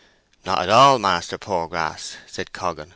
"Not at all, Master Poorgrass," said Coggan.